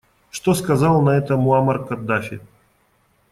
Что сказал на это Муамар Каддафи?